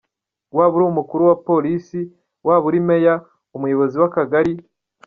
Waba uri Umukuru wa Polisi, waba uri Meya, umuyobozi w’akagari.